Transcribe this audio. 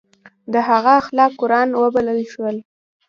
د هغه اخلاق قرآن وبلل شول.